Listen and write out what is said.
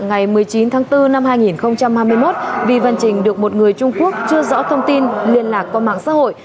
ngày một mươi chín tháng bốn năm hai nghìn hai mươi một vi văn trình được một người trung quốc chưa rõ thông tin liên lạc qua mạng xã hội